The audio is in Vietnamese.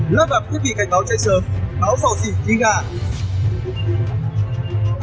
lắp đặt tiết bị cảnh báo cháy sớm báo sò xỉ khi gạt